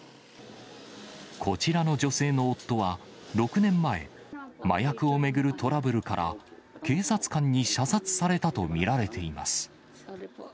こちらの女性の夫は、６年前、麻薬を巡るトラブルから、警察官に射殺されたと見られています。